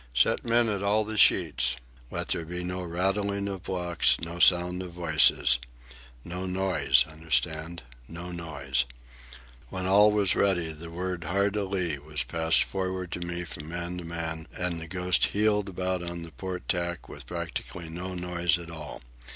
Set men at all the sheets. Let there be no rattling of blocks, no sound of voices. No noise, understand, no noise." When all was ready, the word "hard a lee" was passed forward to me from man to man; and the Ghost heeled about on the port tack with practically no noise at all.